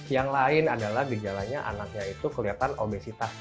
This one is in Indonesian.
yang lain adalah gejalanya anaknya itu kelihatan obesitas